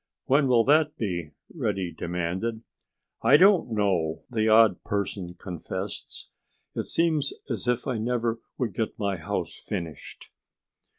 "When will that be?" Reddy demanded. "I don't know," the odd person confessed. "It seems as if I never would get my house finished."